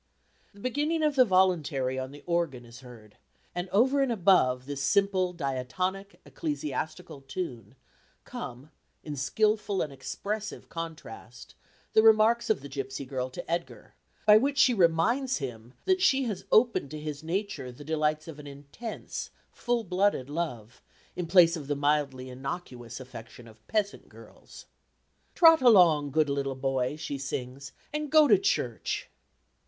The beginning of the voluntary on the organ is heard, and over and above this simple diatonic, ecclesiastical tune, come, in skilful and expressive contrast, the remarks of the gipsy girl to Edgar, by which she reminds him that she has opened to his nature the delights of an intense full blooded love in place of the mildly inocuous affection of peasant girls. "Trot along, good little boy," she sings, "and go to church."